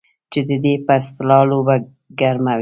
چې د ده په اصطلاح لوبه ګرمه وي.